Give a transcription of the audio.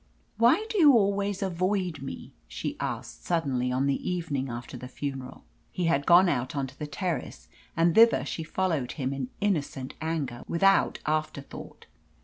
"Why do you always avoid me?" she asked suddenly on the evening after the funeral. He had gone out on to the terrace, and thither she followed him in innocent anger, without afterthought.